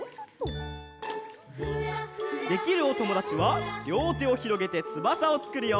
できるおともだちはりょうてをひろげてつばさをつくるよ。